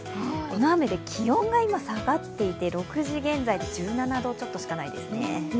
この雨で気温が今、下がっていて、６時現在で１７度ちょっとしかないですね。